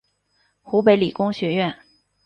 湖北理工学院